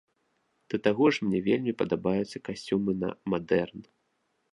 Да таго ж мне вельмі падабаюцца касцюмы на мадэрн.